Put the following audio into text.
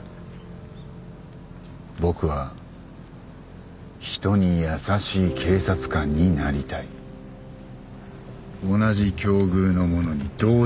「僕は人に優しい警察官になりたい」同じ境遇の者に同情する。